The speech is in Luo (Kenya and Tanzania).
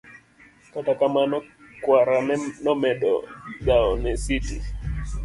kata kamano kwara nomedo dhawo ne Siti